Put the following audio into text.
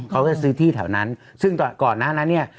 เขาก็ซื้อที่แถวนั้นซึ่งก่อนหน้านั้นเนี่ย